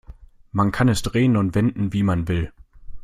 Man kann es drehen und wenden, wie man will.